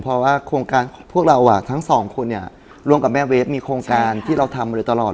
เพราะว่าโครงการพวกเราทั้งสองคนเนี่ยร่วมกับแม่เวฟมีโครงการที่เราทำมาโดยตลอด